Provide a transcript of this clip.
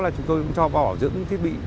chúng tôi cũng cho bỏ dưỡng thiết bị